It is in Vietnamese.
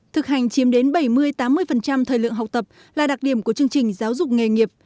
thực hành chiếm đến bảy mươi tám mươi thời lượng học tập là đặc điểm của chương trình giáo dục nghề nghiệp